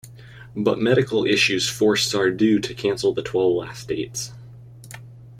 But medical issues forced Sardou to cancel the twelve last dates.